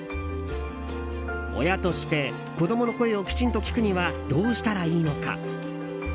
親として子供の声をきちんと聞くにはどうしたらいいのか？